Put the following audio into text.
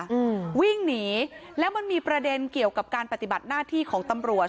อืมวิ่งหนีแล้วมันมีประเด็นเกี่ยวกับการปฏิบัติหน้าที่ของตำรวจ